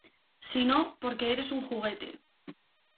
Sino porque eres un juguete.